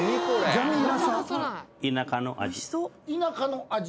田舎の味？